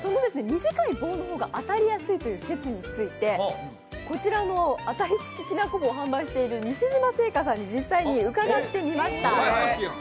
短い棒の方が当たりやすいという説についてこちらのあたり付ききなこ棒を販売している西島製菓さんに実際に伺ってみました。